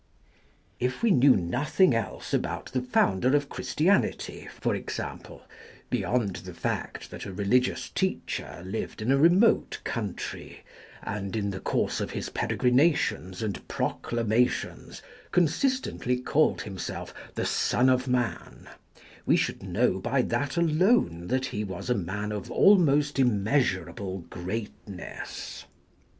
If we knew nothing else about the Founder of Christianity, for example, beyond the fact that a religious teacher lived in a re mote country, and in the course of His peregrinations and proclamations consist ently called Himself "the Son of Man," we should know by that alone that He was Maeterlinck a man of almost immeasurable greatness.